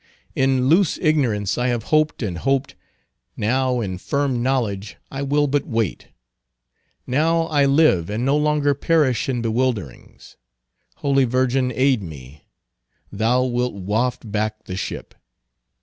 In loose ignorance I have hoped and hoped; now in firm knowledge I will but wait. Now I live and no longer perish in bewilderings. Holy Virgin, aid me! Thou wilt waft back the ship.